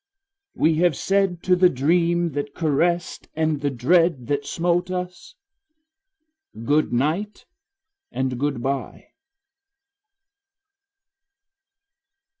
We have said to the dream that caressed and the dread that smote us Goodnight and goodbye.